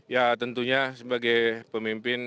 ya tentunya sebagai pemimpin